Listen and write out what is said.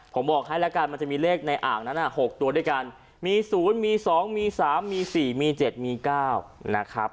ผมบอกให้แล้วกันมันจะมีเลขในอ่างนั้น๖ตัวด้วยกันมี๐มี๒มี๓มี๔มี๗มี๙นะครับ